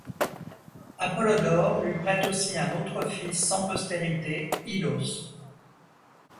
Apollodore lui prête aussi un autre fils sans postérité, Ilos.